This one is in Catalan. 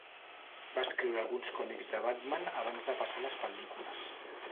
Va escriure alguns còmics de Batman abans de passar a les pel·lícules.